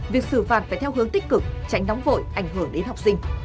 việc xử phạt phải theo hướng tích cực tránh nóng vội ảnh hưởng đến học sinh